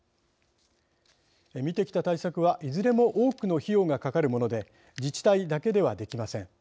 見てきた対策は、いずれも多くの費用がかかるもので自治体だけではできません。